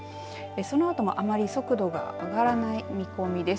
そのあとも、あまり速度が上がらない見込みです。